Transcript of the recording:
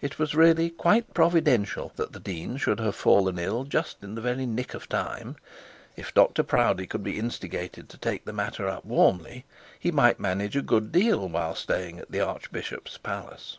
It was really quite providential that the dean should have fallen ill just at the very nick of time. If Dr Proudie could be instigated to take the matter up warmly, he might manage a good deal while staying at the archbishop's palace.